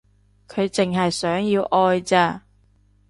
佢淨係想要愛咋